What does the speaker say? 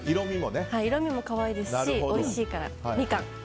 色味も可愛いですしおいしいから、みかん。